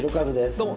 どうも！